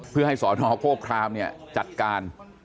เพื่อให้สนโฆครามเนี่ยจัดการ